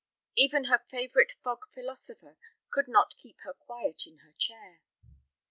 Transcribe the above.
Even her favorite fog philosopher could not keep her quiet in her chair.